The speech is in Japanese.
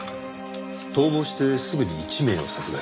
逃亡してすぐに１名を殺害。